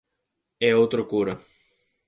E outro cura.